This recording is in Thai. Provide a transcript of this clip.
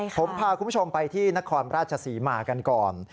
ผมพาคุณผู้ชมไปที่นครราชศรีมากันก่อน